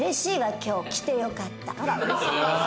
今日来てよかった。